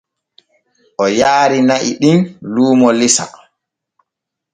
O yaari na'i ɗin luumo lesa.